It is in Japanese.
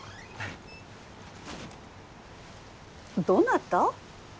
どなた？